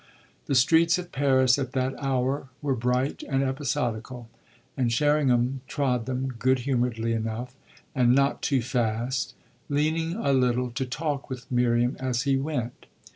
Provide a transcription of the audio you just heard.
The streets of Paris at that hour were bright and episodical, and Sherringham trod them good humouredly enough and not too fast, leaning a little to talk with Miriam as he went.